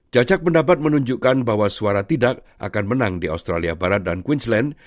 jajak pendapat menunjukkan bahwa suara tidak akan menang di australia barat dan queensland